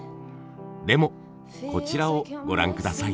でもこちらをご覧下さい。